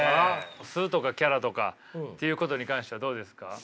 素とかキャラとかっていうことに関してはどうですか？